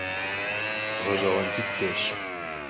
Гъэщӏэгъуэн дыдэщ.